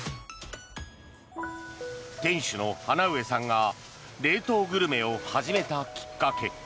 店主の花上さんが冷凍グルメを始めたきっかけ。